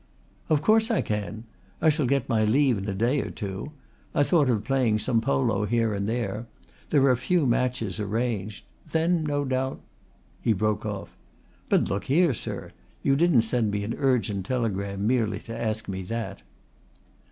"Of course I can. I shall get my leave in a day or two. I thought of playing some polo here and there. There are a few matches arranged. Then no doubt " He broke off. "But look here, sir! You didn't send me an urgent telegram merely to ask me that."